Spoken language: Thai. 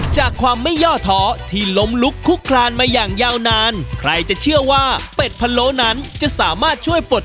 ย่อเถาที่ล้มลุกคุกคลานมาอย่างยาวนานใครจะเชื่อว่าเป็ดพะโลนั้นจะสามารถช่วยปด